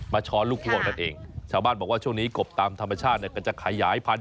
ช้อนลูกนั่นเองชาวบ้านบอกว่าช่วงนี้กบตามธรรมชาติเนี่ยก็จะขยายพันธุ